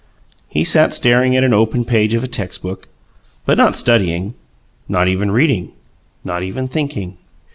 He sat staring at an open page of a textbook, but not studying; not even reading; not even thinking.